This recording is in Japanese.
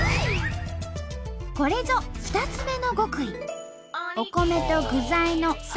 これぞ２つ目の極意。